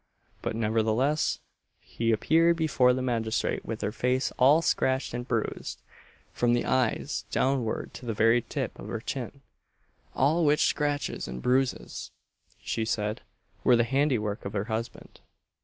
But nevertheless, she appeared before the magistrate with her face all scratched and bruised, from the eyes downward to the very tip of her chin; all which scratches and bruises, she said, were the handiwork of her husband.